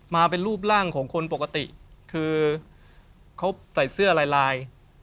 มาเป็นรูปร่างของคนปกติคือเขาใส่เสื้อลายลาย